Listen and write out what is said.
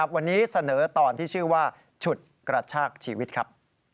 วันนี้เสนอตอนที่ชื่อว่าฉุดกระชากชีวิตครับ